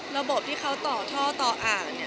ระบบที่เขาต่อท่อต่ออาก